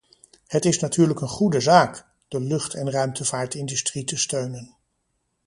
Het is natuurlijk een goede zaak, de lucht- en ruimtevaartindustrie te steunen.